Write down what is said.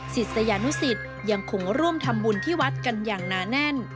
ศิษยานุสิตยังคงร่วมทำบุญที่วัดกันอย่างหนาแน่น